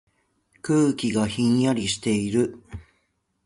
空気がひんやりしている。